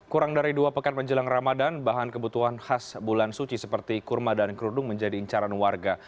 kurang dari dua pekan menjelang ramadan bahan kebutuhan khas bulan suci seperti kurma dan kerudung menjadi incaran warga